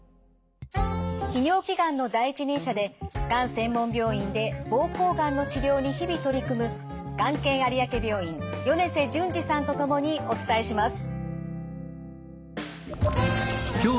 泌尿器がんの第一人者でがん専門病院で膀胱がんの治療に日々取り組むがん研有明病院米瀬淳二さんと共にお伝えします。